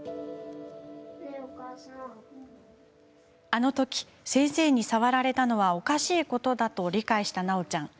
あのとき、先生に触られたのはおかしいことだと理解したなおちゃん